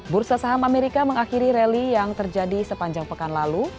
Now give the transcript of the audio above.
bursa saham amerika mengakhiri rally yang terjadi sepanjang pekan lalu